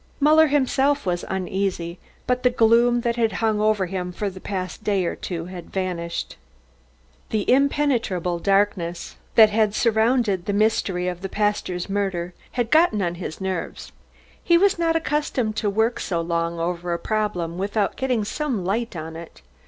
Muller himself was uneasy, but the gloom that had hung over him for the past day or two had vanished. The impenetrable darkness that had surrounded the mystery of the pastor's murder had gotten on his nerves. He was not accustomed to work so long over a problem without getting some light on it.